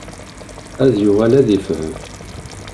Ad yuɣal ad ifhem.